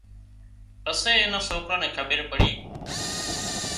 پسي اين نان سوڪران نين کٻير پڙي